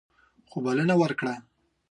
خو بلنه ورکړه.